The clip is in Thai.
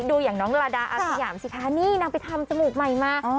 ดูอย่างน้องลาดาอาสยามสิคะนี่นางไปทำจมูกใหม่มา